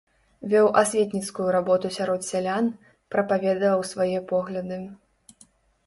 Вёў асветніцкую работу сярод сялян, прапаведаваў свае погляды.